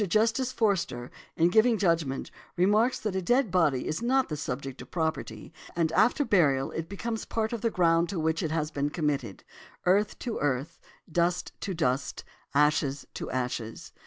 Justice Forster, in giving judgment, remarks that a dead body is not the subject of property, and after burial it becomes part of the ground to which it has been committed, earth to earth, dust to dust, ashes to ashes.